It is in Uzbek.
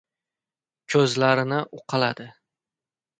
Ko‘zlarini uqaladi.